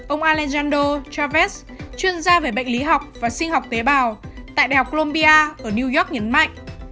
ông alexanddo javest chuyên gia về bệnh lý học và sinh học tế bào tại đại học columbia ở new york nhấn mạnh